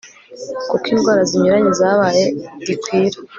kuko indwara zinyuranye zabaye gikwira